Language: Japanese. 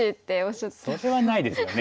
それはないですよね。